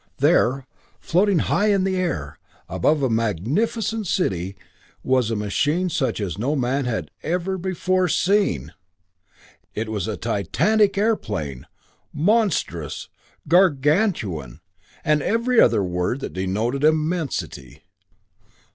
There, floating high in the air, above a magnificent city, was a machine such as no man had ever before seen! It was a titanic airplane monstrous, gargantuan, and every other word that denoted immensity.